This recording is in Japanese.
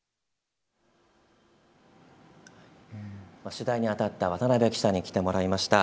取材にあたった渡辺記者に来てもらいました。